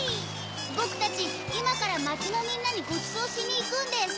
ぼくたちいまからまちのみんなにごちそうしにいくんです。